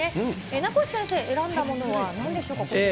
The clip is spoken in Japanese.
名越先生、選んだものはなんでしょうか、こちら。